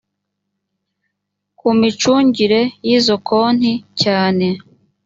ku micungire y izo konti cyane